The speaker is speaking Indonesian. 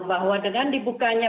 bahwa dengan dibukanya